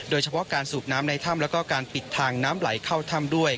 โดยเฉพาะการสูบน้ำในถ้ำแล้วก็การปิดทางน้ำไหลเข้าถ้ำด้วย